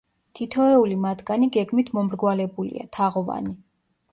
თითოეული მათგანი გეგმით მომრგვალებულია, თაღოვანი.